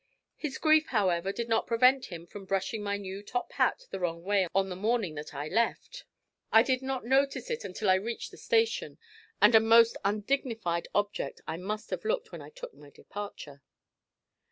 His grief, however, did not prevent him from brushing my new top hat the wrong way on the morning that I left. I did not notice it until I reached the station, and a most undignified object I must have looked when I took my departure.